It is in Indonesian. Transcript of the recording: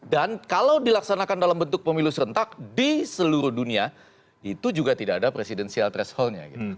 dan kalau dilaksanakan dalam bentuk pemilu serentak di seluruh dunia itu juga tidak ada presidensial thresholdnya